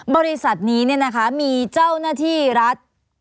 บริษัทนี้เนี่ยนะคะมีเจ้าหน้าที่รัฐ